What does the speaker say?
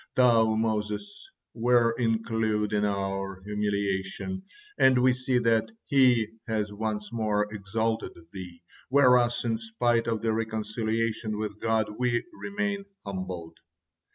Thou, Moses, were include in our humiliation, and we see that He has once more exalted thee, whereas, in spite of the reconciliation with God, we remain humbled."